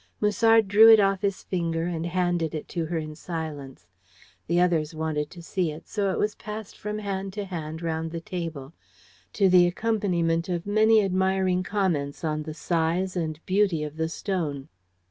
Musard drew it off his finger and handed it to her in silence. The others wanted to see it, so it was passed from hand to hand round the table, to the accompaniment of many admiring comments on the size and beauty of the stone.